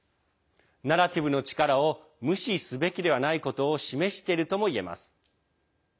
ナラティブの力を無視すべきではないことを示しているともいえます。